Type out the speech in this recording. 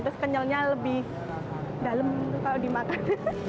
terus kenyalnya lebih dalam kalau dimakan